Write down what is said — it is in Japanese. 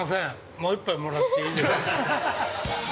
もう一杯もらっていいですか。